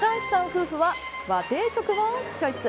夫婦は和定食をチョイス。